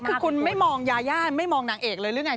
คือคุณไม่มองยายาไม่มองนางเอกเลยหรือไง